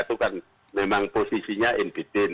itu kan memang posisinya in beden